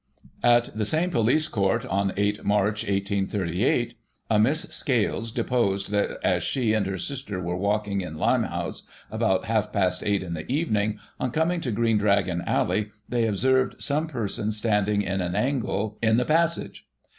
At the same police court, on 8 Mar., 1838, a Miss Scales deposed that as she and her sister were walking in Lime house, about half past eight in the evening, on coming to Green Dragon Alley, they observed some person standing in an angle in the passage.